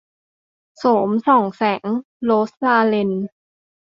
โสมส่องแสง - โรสลาเรน